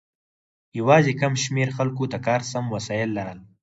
یوازې کم شمیر خلکو د کار سم وسایل لرل.